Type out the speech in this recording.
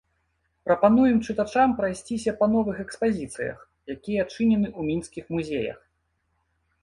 Прапануем чытачам прайсціся па новых экспазіцыях, якія адчынены ў мінскіх музеях.